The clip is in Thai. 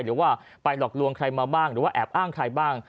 หรือว่าไปหลอกลวงใครมาบ้างหรือว่าแอบอ้างใครบ้าง